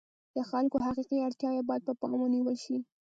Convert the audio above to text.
د خلکو حقیقي اړتیاوې باید پر پام ونیول شي.